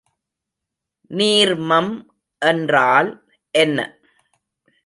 நீர்மம் என்றால் என்ன?